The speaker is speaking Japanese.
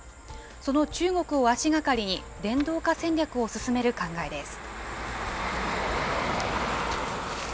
その中国を足がかりに、電動化戦略を進める考えです。